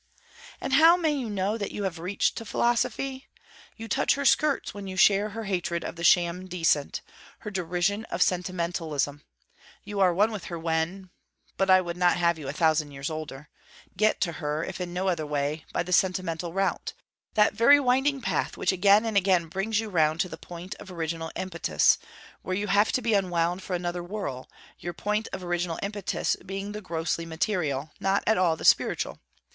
And how may you know that you have reached to Philosophy? You touch her skirts when you share her hatred of the sham decent, her derision of sentimentalism. You are one with her when but I would not have you a thousand years older! Get to her, if in no other way, by the sentimental route: that very winding path, which again and again brings you round to the point of original impetus, where you have to be unwound for another whirl; your point of original impetus being the grossly material, not at all the spiritual.